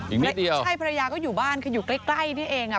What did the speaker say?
นิดเดียวใช่ภรรยาก็อยู่บ้านคืออยู่ใกล้ใกล้นี่เองอ่ะ